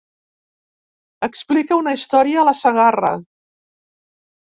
Explica una història a la Segarra.